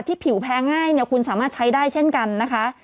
ผิวแพ้ง่ายเนี่ยคุณสามารถใช้ได้เช่นกันนะคะ